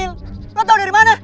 lo tau dari mana